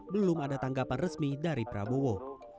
belum ada tanggapan resmi dari prabowo